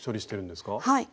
はい。